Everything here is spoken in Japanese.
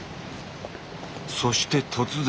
そして突然。